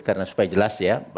karena supaya jelas ya